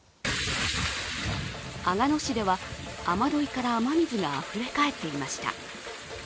阿賀野市では雨どいから雨水があふれ返っていました。